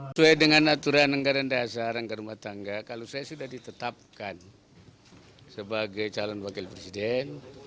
sesuai dengan aturan anggaran dasar anggaran rumah tangga kalau saya sudah ditetapkan sebagai calon wakil presiden